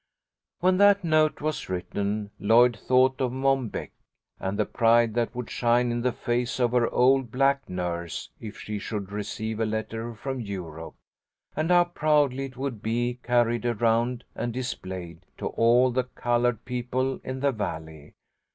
When that note was written, Lloyd thought of Mom Beck and the pride that would shine in the face of her old black nurse if she should receive a letter from Europe, and how proudly it would be carried around and displayed to all the coloured people in the Valley.